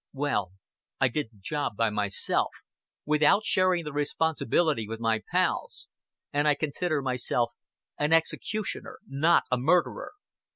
Well, I did the job by myself, without sharing the responsibility with my pals; and I consider myself an executioner, not a murderer."